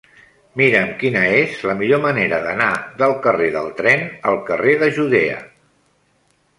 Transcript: Mira'm quina és la millor manera d'anar del carrer del Tren al carrer de Judea.